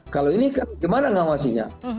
kalau ini kan gimana ngawasinya